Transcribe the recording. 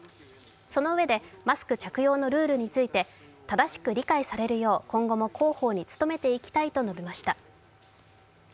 そのうえでマスク着用のルールについて正しく理解されるよう、今後も広報に努めていきたいと述べました。